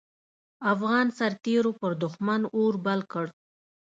افغان سررتېرو پر دوښمن اور بل کړ.